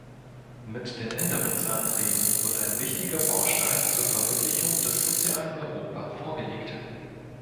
Mit den Änderungsanträgen wird ein wichtiger Baustein zur Verwirklichung des sozialen Europa vorgelegt.